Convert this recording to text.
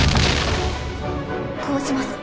こうします。